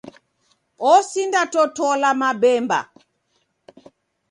Osindatotola mabemba.